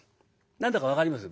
何だか分かります？